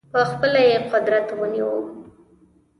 په خپله یې قدرت ونیوی.